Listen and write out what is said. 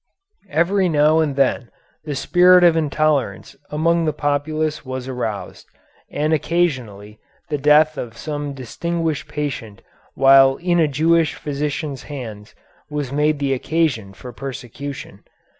Every now and then the spirit of intolerance among the populace was aroused, and occasionally the death of some distinguished patient while in a Jewish physician's hands was made the occasion for persecution.